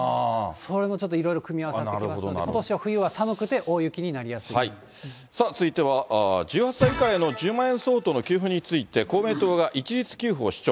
それもちょっといろいろ組み合わさってきますので、ことしのさあ、続いては、１８歳以下への１０万円相当の給付について、公明党が一律給付を主張。